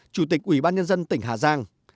chủ tịch ủy ban nhân dân tỉnh hà giang